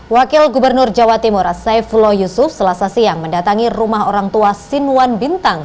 wakil gubernur jawa timur saifullah yusuf selasa siang mendatangi rumah orang tua sinuan bintang